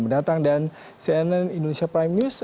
mendatang dan cnn indonesia prime news